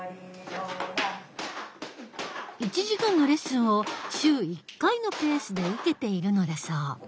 １時間のレッスンを週一回のペースで受けているのだそう。